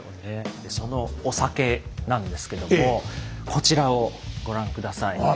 そのお酒なんですけどもこちらをご覧下さい。